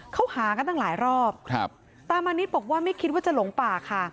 เขาหากันตั้งหลายรอบครับตามานิดบอกว่าไม่คิดว่าจะหลงป่าค่ะ